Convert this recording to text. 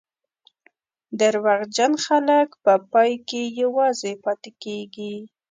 دروغجن خلک په پای کې یوازې پاتې کېږي.